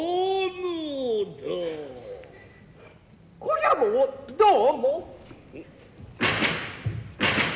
こりゃもうどうも。